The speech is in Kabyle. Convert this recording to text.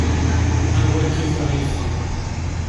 Anwa akkit ara yeffɣen?